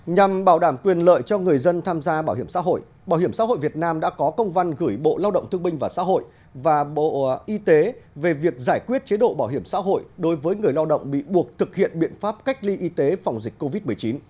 nhằm bảo đảm quyền lợi cho người dân tham gia bảo hiểm xã hội bảo hiểm xã hội việt nam đã có công văn gửi bộ lao động thương binh và xã hội và bộ y tế về việc giải quyết chế độ bảo hiểm xã hội đối với người lao động bị buộc thực hiện biện pháp cách ly y tế phòng dịch covid một mươi chín